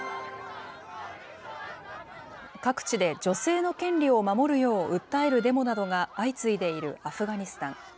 各地で女性の権利を守るよう訴えるデモなどが相次いでいるアフガニスタン。